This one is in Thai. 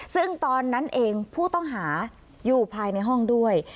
ซึ่งตอนนั้นเองผู้ต้องหาอยู่ภายในห้องด้วย